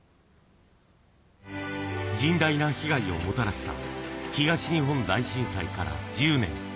甚大な被害をもたらした東日本大震災から１０年。